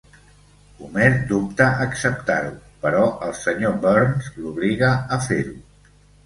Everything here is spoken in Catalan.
Homer dubta acceptar-ho, però el senyor Burns l'obliga a fer-ho.